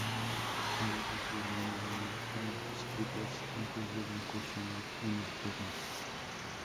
Ava y su hermana Mia eran strippers antes de incursionar en el porno.